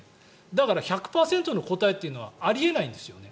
だから１００％の答えっていうのはあり得ないんですよね。